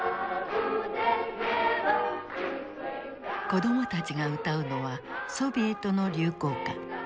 子供たちが歌うのはソビエトの流行歌。